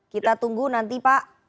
kita tunggu nanti pak